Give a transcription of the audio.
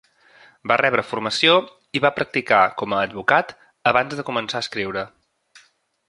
Va rebre formació i va practicar com a advocat abans de començar a escriure.